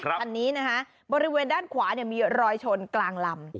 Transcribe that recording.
คันนี้นะคะบริเวณด้านขวามีรอยชนกลางลำ